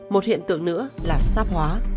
một hiện tượng nữa là sáp hóa